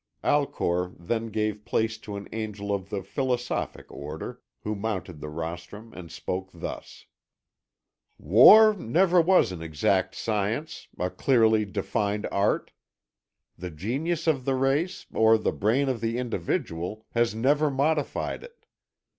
Alcor then gave place to an angel of the philosophic order, who mounted the rostrum and spoke thus: "War never was an exact science, a clearly defined art. The genius of the race, or the brain of the individual, has ever modified it.